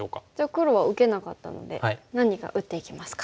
黒は受けなかったので何か打っていきますか。